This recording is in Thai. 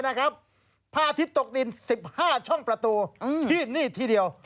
พระอาทิตย์ตกดิน๑๕ช่องประตูที่นี่ทีเดียว